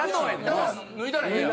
じゃあ脱いだらええやん。